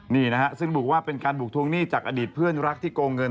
นี่นะฮะซึ่งบอกว่าเป็นการบุกทวงหนี้จากอดีตเพื่อนรักที่โกงเงิน